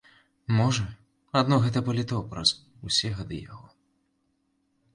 Можа, адно гэта паліто праз усе гады яго.